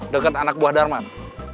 deket anak buah darman